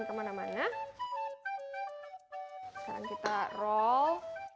kemana mana sekarang kita roll